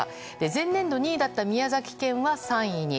前年度２位だった宮崎県は３位に。